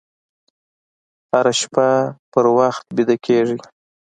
هره شپه په وخت ویده کېږئ.